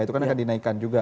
itu kan akan dinaikkan juga